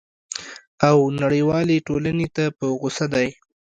او نړیوالي ټولني ته په غوصه دی!